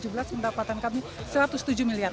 dua ribu tujuh belas pendapatan kami satu ratus tujuh miliar